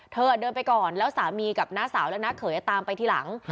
เธอเดินไปก่อนแล้วสามีกับนะสาวและนักข่อย่างตามไปทีหลัง